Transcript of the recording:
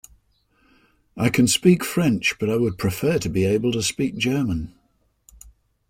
I can speak French, but I would prefer to be able to speak German